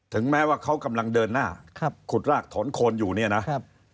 ๑ถึงแม้เขากำลังเดินหน้าคุดรากถร้อนโคนอยู่เนี่ยนะ